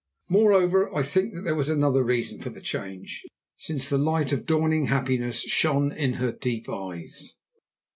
Moreover, I think that there was another reason for the change, since the light of dawning happiness shone in her deep eyes.